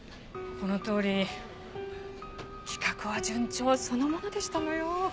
このとおり企画は順調そのものでしたのよ。